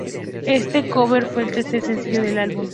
Este cover fue el tercer sencillo del álbum.